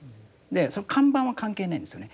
その看板は関係ないんですよね。